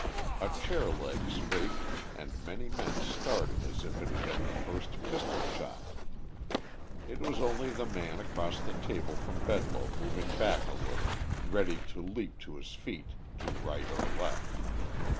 A chair leg scraped and many men started as if it had been the first pistol shot; it was only the man across the table from Bedloe moving back a little, ready to leap to his feet to right or left.